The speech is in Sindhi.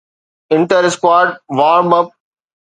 inter squad warm up